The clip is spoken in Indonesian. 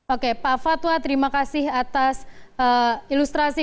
oke pak fatwa terima kasih atas ilustrasi